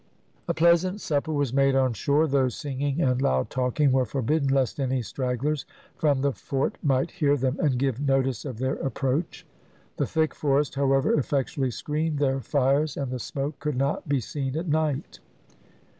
A pleasant supper was made on shore, though singing and loud talking were forbidden, lest any stragglers from the fort might hear them and give notice of their approach. The thick forest, however, effectually screened their fires, and the smoke could not be seen at night.